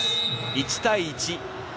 １対１。